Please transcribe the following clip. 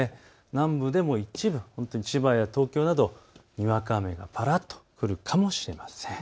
南部でも一部、千葉や東京などにわか雨がぱらっと降るかもしれません。